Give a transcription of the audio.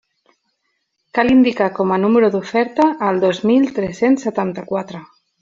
Cal indicar com a número d'oferta el dos mil tres-cents setanta-quatre.